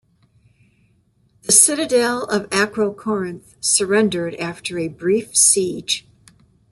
The citadel of Acrocorinth surrendered after a brief siege.